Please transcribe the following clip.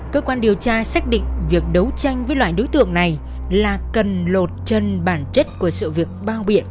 cơ quan điều tra xác định việc đấu tranh với loại đối tượng này là cần lột chân bản chất của sự việc bao biện